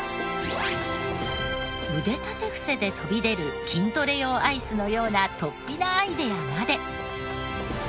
腕立て伏せで飛び出る筋トレ用アイスのような突飛なアイデアまで。